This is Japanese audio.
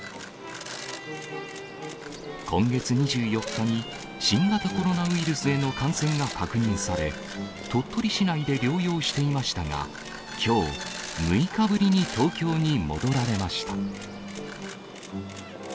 今月２４日に、新型コロナウイルスへの感染が確認され、鳥取市内で療養していましたが、きょう、６日ぶりに東京に戻られました。